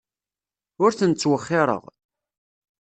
Ur ten-ttwexxireɣ.